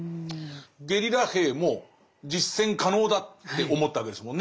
ゲリラ兵も実践可能だって思ったわけですもんね。